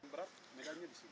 berat neganya disini